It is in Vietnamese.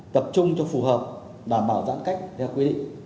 tập trung cho phù hợp đảm bảo giãn cách theo quy định